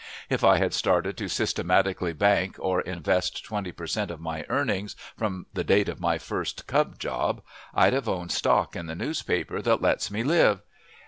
If I had started to systematically bank or invest twenty per cent. of my earnings from the date of my first cub job, I'd have owned stock in the newspaper that lets me live.